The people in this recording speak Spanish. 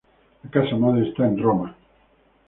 La casa madre está en Roma.